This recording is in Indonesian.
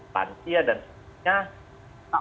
tansia dan sebagainya